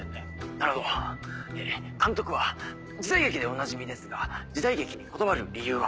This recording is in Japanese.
なるほど監督は時代劇でおなじみですが時代劇にこだわる理由は？